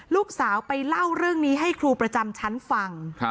ลูกสาวไปเล่าเรื่องนี้ให้ครูประจำชั้นฟัง